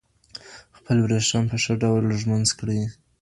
خپل ورېښتان په ښه ډول ږمنځ کړئ.